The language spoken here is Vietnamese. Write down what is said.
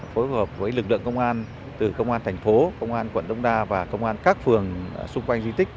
phối hợp với lực lượng công an từ công an thành phố công an quận đông đa và công an các phường xung quanh di tích